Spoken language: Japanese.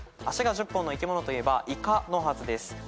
足が１０本の生き物といえばいかのはずです。